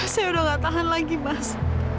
saya udah gak tahan lagi mas